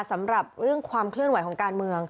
สำหรับเรื่องความเคลื่อนไหวของการเมือง